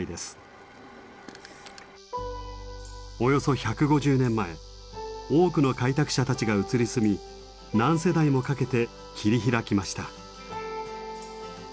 およそ１５０年前多くの開拓者たちが移り住み何世代もかけて切り開きました。